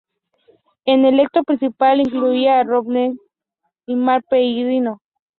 El elenco principal incluía a Robbie Amell, Luke Mitchell y Mark Pellegrino.